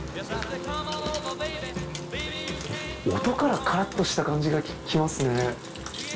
音からカラッとした感じがきますね。